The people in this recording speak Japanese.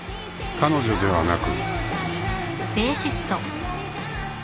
［彼ではなく］